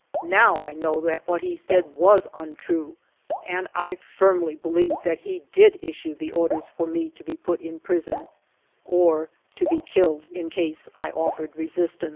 Now I know that what he said was untrue, 3 and I firmly believe that he did issue the orders for me to be put in prison, or to be killed in case I offered resistance.